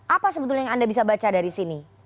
apa sebetulnya yang anda bisa baca dari sini